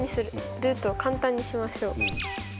ルートを簡単にしましょう。